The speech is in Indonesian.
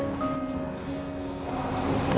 aku kesini sebenarnya